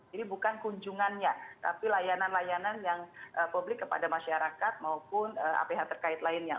jadi bukan kunjungannya tapi layanan layanan yang publik kepada masyarakat maupun aph terkait lainnya